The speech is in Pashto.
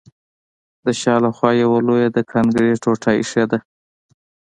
د شا له خوا یوه لویه د کانکریټ ټوټه ایښې ده